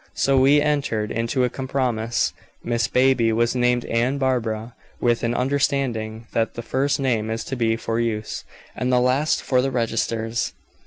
So we entered into a compromise; Miss Baby was named Anne Barbara, with an understanding that the first name is to be for use, and the last for the registers."